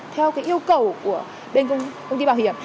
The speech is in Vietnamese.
theo yêu cầu của bên công ty bảo hiểm